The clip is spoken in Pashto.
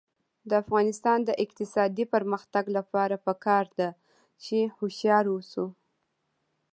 د افغانستان د اقتصادي پرمختګ لپاره پکار ده چې هوښیار اوسو.